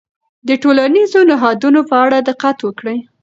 د ټولنیزو نهادونو په اړه دقت وکړئ.